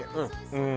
うん。